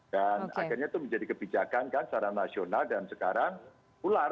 dan akhirnya itu menjadi kebijakan kan secara nasional dan sekarang pular